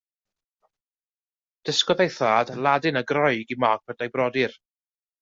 Dysgodd ei thad Ladin a Groeg i Margaret a'i brodyr.